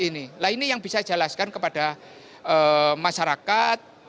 nah ini yang bisa dijelaskan kepada masyarakat